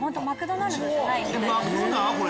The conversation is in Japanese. これ。